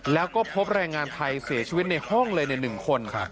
แล้วก็พบแรงงานไทยเสียชีวิตในห้องเลย๑คน